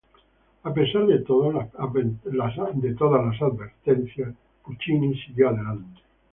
A pesar de todas las advertencias, Puccini siguió adelante.